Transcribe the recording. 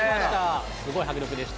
すごい迫力でした。